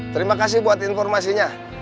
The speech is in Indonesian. terima kasih buat informasinya